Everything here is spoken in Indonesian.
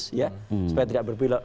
supaya tidak berbelok